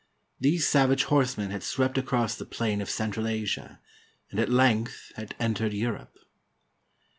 These savage horse men had swept across the plain of Central Asia, and at length had entered Europe.